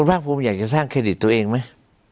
ภาคภูมิอยากจะสร้างเครดิตตัวเองไหม